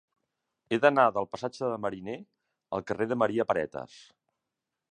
He d'anar del passatge de Mariner al carrer de Maria Paretas.